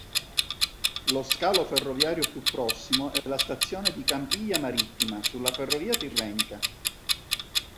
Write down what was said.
Lo scalo ferroviario più prossimo è la stazione di Campiglia Marittima, sulla ferrovia Tirrenica.